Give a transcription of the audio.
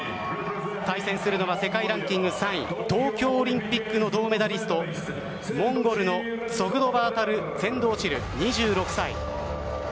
対戦するのは世界ランキング３位東京オリンピックの銅メダリストモンゴルのツォグドバータル・ツェンドオチル、２６歳。